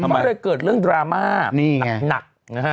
ก็เลยเกิดเรื่องดราม่าหนักนะฮะ